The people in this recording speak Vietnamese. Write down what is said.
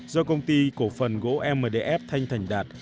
do công ty cổ phần gỗ mdf thanh thành đạt